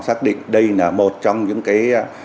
xác định đây là một trong những cái